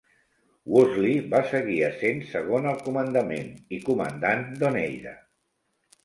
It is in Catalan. Woosley va seguir essent segon al comandament i comandant "d'Oneida".